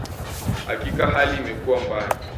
Hakika hali imekuwa mbaya